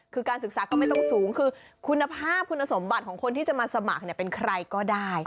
คือการศึกษาก็ไม่ต้องสูงคือคุณภาพคุณสมบัติของคนที่จะมาสมัครเป็นใครก็ได้